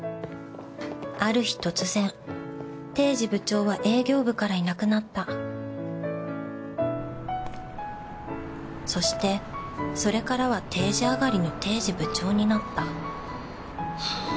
ある日突然堤司部長は営業部からいなくなったそしてそれからは定時上がりの堤司部長になった